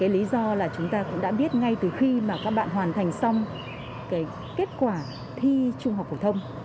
lý do là chúng ta cũng đã biết ngay từ khi các bạn hoàn thành xong kết quả thi trung học phổ thông